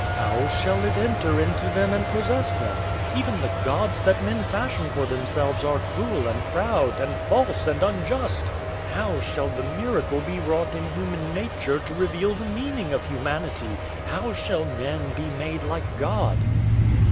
How shall it enter into them and possess them? Even the gods that men fashion for themselves are cruel and proud and false and unjust. How shall the miracle be wrought in human nature to reveal the meaning of humanity? How shall men be made like God?"